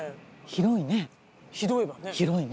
広いね。